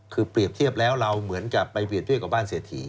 คือเปรียบเทียบแล้วเราเหมือนกับไปเรียบเทียบกับบ้านเศรษฐี